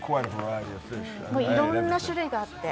いろんな種類があって。